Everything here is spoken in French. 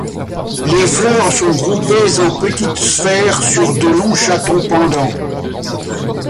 Les fleurs sont groupées en petite sphères sur de longs chatons pendants.